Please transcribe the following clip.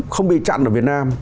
không bị chặn ở việt nam